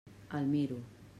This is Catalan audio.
El miro.